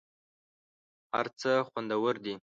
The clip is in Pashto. هر څه خوندور دي .